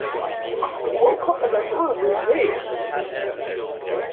What kind of herb this is?